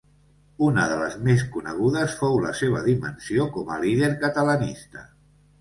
Una de les més conegudes fou la seva dimensió com a líder catalanista.